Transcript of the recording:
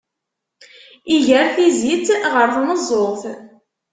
Iger tizit ɣer tmeẓẓuɣt.